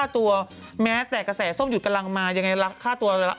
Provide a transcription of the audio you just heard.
แตกกระแสส้มหยุดกำลังมายังไงราคาตัวราคาเดิม